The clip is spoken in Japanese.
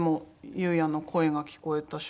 裕也の声が聞こえてるよ」